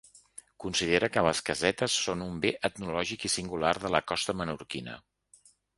Considera que les casetes són un bé etnològic i singular de la costa menorquina.